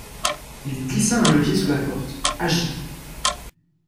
Il glissa un levier sous la porte, agit.